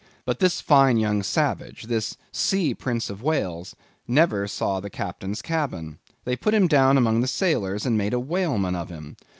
But this fine young savage—this sea Prince of Wales, never saw the Captain's cabin. They put him down among the sailors, and made a whaleman of him.